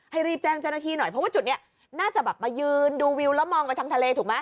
รีบแจ้งเจ้าหน้าที่หน่อยเพราะว่าจุดนี้น่าจะแบบมายืนดูวิวแล้วมองไปทางทะเลถูกไหม